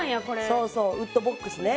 そうそうウッドボックスね。